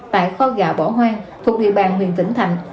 tại kho gà bỏ hoang thuộc địa bàn huyện tỉnh thạnh